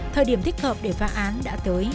thời điểm thích hợp để phá án đã tới